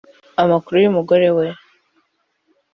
Amakuru Umugore we